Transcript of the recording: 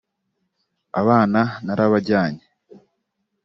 abana narabajyanye